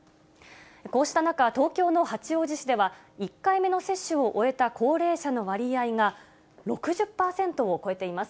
こうした中、東京の八王子市では、１回目の接種を終えた高齢者の割合が６０％を超えています。